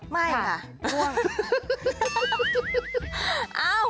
ไม่ค่ะ